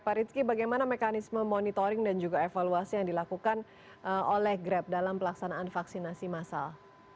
pak rizky bagaimana mekanisme monitoring dan juga evaluasi yang dilakukan oleh grab dalam pelaksanaan vaksinasi massal